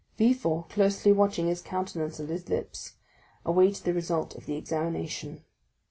Villefort, closely watching his countenance and his lips, awaited the result of the examination.